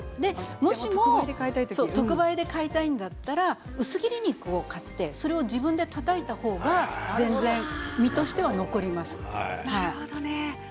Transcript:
もしも特売で買いたいんだったら薄切り肉を買ってそれを自分でたたいた方が身としては残ります。